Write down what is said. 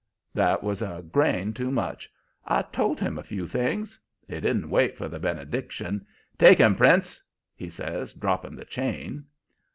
"That was a grain too much. I told him a few things. He didn't wait for the benediction. 'Take him, Prince!' he says, dropping the chain.